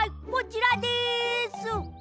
こちらです！